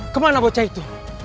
kemana bocah itu